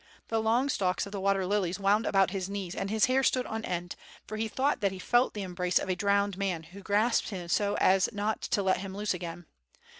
The long stalks of the water lilies wound about his knees and his hair stood on end, for he thought that he felt the embrace of a drowned man who grasped him so as not to let him loose again.